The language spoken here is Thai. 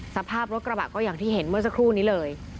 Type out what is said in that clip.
สภาพรถกระบะก็อย่างที่เห็นเมื่อสักครู่นี้เลย